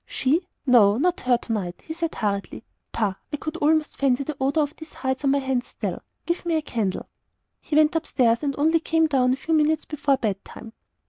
"She? No, not her to night!" he said, hurriedly. "Pah! I could almost fancy the odour of these hides on my hands still. Give me a candle." He went up stairs, and only came down a few minutes before bed time.